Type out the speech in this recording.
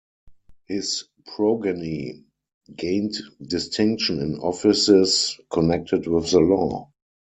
His progeny gained distinction in offices connected with the law.